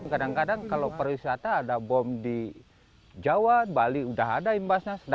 kadang kadang kalau pariwisata ada bom di jawa bali sudah ada imbasnya